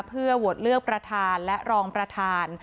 เพื่อโหวตเลือกประธานและรองประธาน